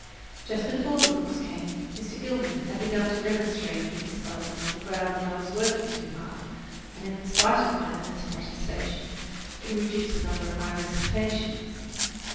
Just before the books came, Mr. Gilman had begun to remonstrate with Miss Sullivan on the ground that I was working too hard, and in spite of my earnest protestations, he reduced the number of my recitations.